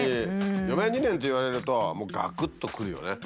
余命２年って言われるともうがくっとくるよね。